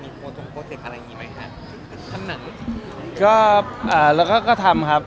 มีอาบคิวเทคการังนี้ไหมคะทั้งหนังก็แล้วก็ก็ทำครับ